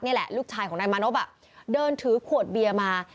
เนี่ยแหละลูกชายของนายมานพอ่ะเดินถือขวดเบียร์มา